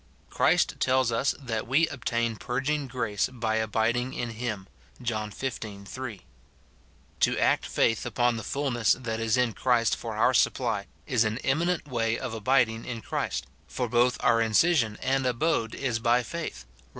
Christ tells us that we obtain purging grace' by abiding in him, John xv. 3. To act faith upon the fulness that is in Christ for our supply is an eminent way of abiding in Christ, for both our insition and abode is by faith, Rom.